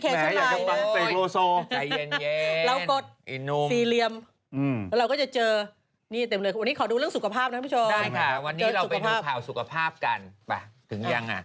เดี๋ยวก่อนเอาเรื่องสุขภาพก่อนตรงนี้เอาสิใจเย็น